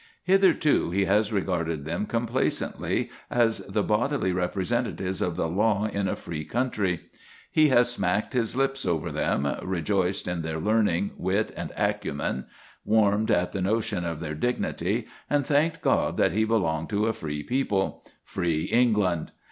Hitherto he has regarded them complacently as the bodily representatives of the law in a free country. He has smacked his lips over them, rejoiced in their learning, wit, and acumen, warmed at the notion of their dignity, and thanked God that he belonged to a free people free England.